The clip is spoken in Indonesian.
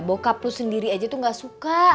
bokap lo sendiri aja tuh gak suka